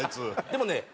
でもね